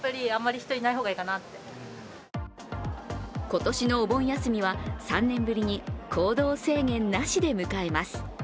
今年のお盆休みは３年ぶりに行動制限なしで迎えます